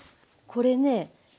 これね。